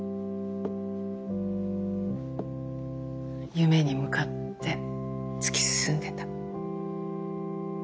夢に向かって突き進んでた。